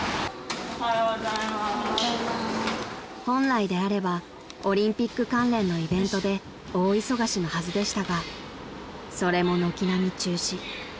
［本来であればオリンピック関連のイベントで大忙しのはずでしたがそれも軒並み中止］